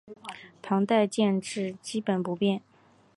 唐代建制基本不变。